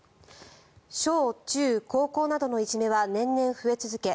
小中高校などのいじめは年々増え続け